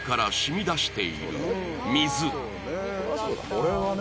これはね